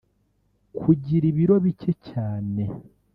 kugira ibiro bike cyane